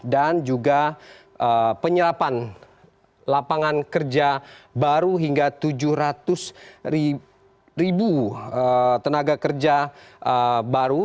dan juga penyerapan lapangan kerja baru hingga tujuh ratus ribu tenaga kerja baru